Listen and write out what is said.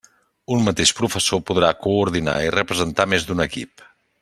Un mateix professor podrà coordinar i representar més d'un equip.